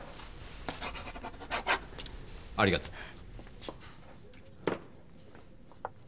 ありがとう。